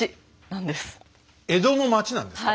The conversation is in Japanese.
江戸の町なんですか。